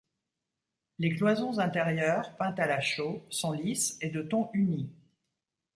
Les cloisons intérieures, peintes à la chaux, sont lisses et de ton uni.